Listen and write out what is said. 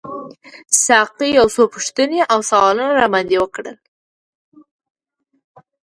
ساقي یو څو پوښتنې او سوالونه راباندي وکړل.